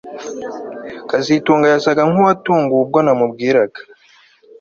kazitunga yasaga nkuwatunguwe ubwo namubwiraga